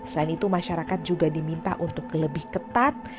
selain itu masyarakat juga diminta untuk lebih ketat